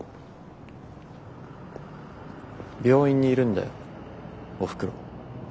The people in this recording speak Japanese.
病院にいるんだよおふくろ。